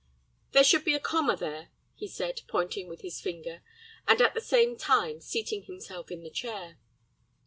"There should be a comma there," he said, pointing with his finger, and at the same time seating himself in the chair.